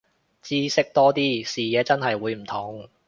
知識多啲，視野真係會唔同